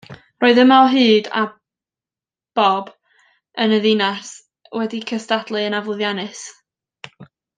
Roedd Yma o Hyd a Bob yn y Ddinas wedi cystadlu, yn aflwyddiannus.